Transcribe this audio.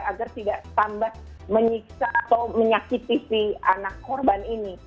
agar tidak tambah menyiksa atau menyakiti si anak korban ini